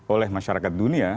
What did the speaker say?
oleh masyarakat dunia